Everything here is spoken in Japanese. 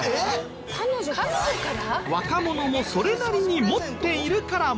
若者もそれなりに持っているから盛り上がる。